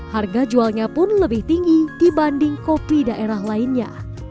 harga jualnya pun lebih tinggi dibanding kopi daerah lainnya